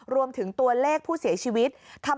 รวมถึงตัวเลขผู้เสียชีวิต